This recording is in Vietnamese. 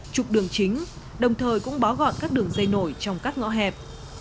trục đường chính đồng thời cũng bó gọn các đường dây nổi trong các ngõ hẹp